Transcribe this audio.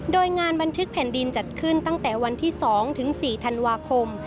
โดยงานบันทึกแผ่นดินจัดขึ้นตั้งแต่วันที่๒ถึง๔ธันวาคม